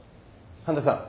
半田さん